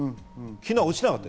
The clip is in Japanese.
昨日は落ちなかった。